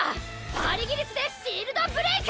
パーリギリスでシールドブレイク！